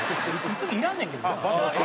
「息継ぎいらんねんけどな」